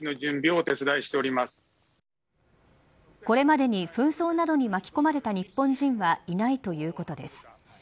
これまでに紛争などに巻き込まれた日本人はいないということです。